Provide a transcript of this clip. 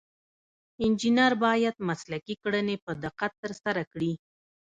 انجینر باید مسلکي کړنې په دقت ترسره کړي.